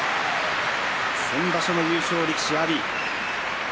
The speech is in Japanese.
先場所の優勝力士、阿炎。